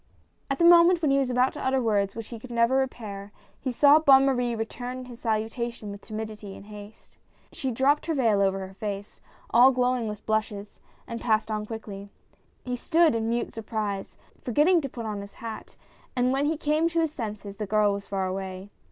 At the moment when he was about to utter words which he could never repair, he saw Bonne Marie return his salutation with timidity and haste. She dropped her vail over her face, all glowing with blushes, and passed on quickly. He stood in mute surprise, forget ting to put on his hat, and when he came to his senses the girl was far away.